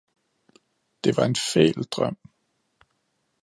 Det var en fæl drøm!